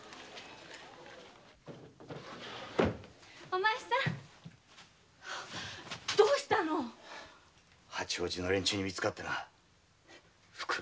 お前さんどうしたの八王子の連中に見つかって袋だたきだ。